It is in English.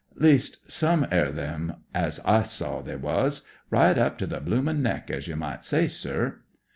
Least, some er them as I saw, they was; right up to the bloomm' neck, as ye might say, sir."